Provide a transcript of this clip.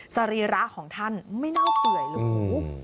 สรีระของท่านไม่เน่าเปื่อยหรู